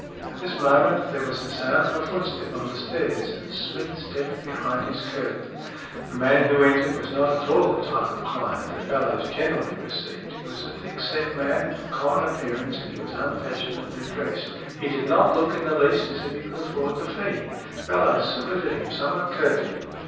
At this moment there was the sound of a footstep on the stairs, and Smeath stepped behind his curtain. The man who entered was not at all the type of client that Bellowes generally received. He was a thick set man of common appearance, and he was unfashionably dressed. He did not look in the least as if he could afford the fee. Bellowes saluted him somewhat curtly.